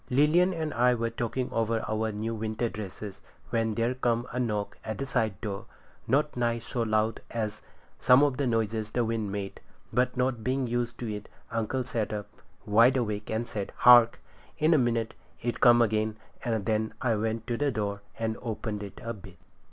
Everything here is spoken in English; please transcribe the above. Lilian and I were talking over our new winter dresses, when there come a knock at the side door, not nigh so loud as some of the noises the wind made, but not being used to it, uncle sat up, wide awake, and said, 'Hark!' In a minute it come again, and then I went to the door and opened it a bit.